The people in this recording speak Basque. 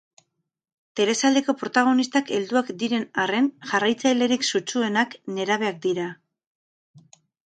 Telesaileko protagonistak helduak diren arren, jarraitzailerik sutsuenak nerabeak dira.